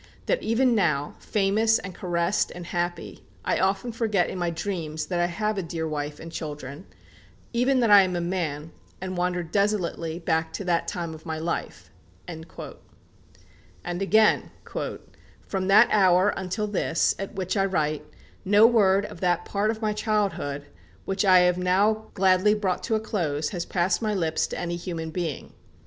that even now, famous and caressed and happy, I often forget in my dreams that I have a dear wife and children; even that I am a man, and wander desolately back to that time of my life." And again: "From that hour until this, at which I write, no word of that part of my childhood, which I have now gladly brought to a close, has passed my lips to any human being....